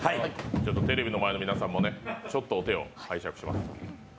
テレビの前の皆さんもちょっとお手を拝借します。